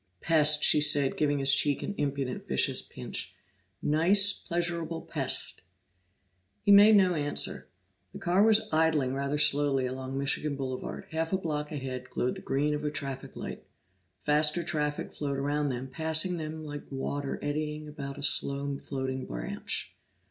"Pest!" she said, giving his cheek an impudent vicious pinch. "Nice, pleasurable pest!" He made no answer. The car was idling rather slowly along Michigan Boulevard; half a block ahead glowed the green of a traffic light. Faster traffic flowed around them, passing them like water eddying about a slow floating branch.